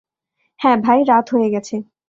হ্যাঁ ভাই, রাত হয়ে গেছে।